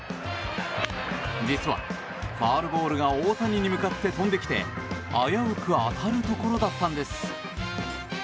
実は、ファウルボールが大谷に向かって飛んできて危うく当たるところだったんです。